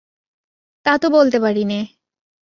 তা তো বলতে পারি নে।